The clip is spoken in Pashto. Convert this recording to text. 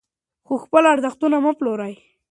خو خپل ارزښتونه مه پلورئ.